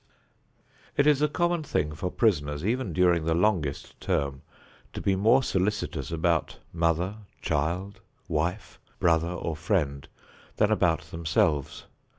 It is a common thing for prisoners, even during the longest term, to be more solicitous about mother, child, wife, brother or friend than about themselves.